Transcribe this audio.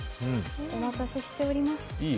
お待たせしております。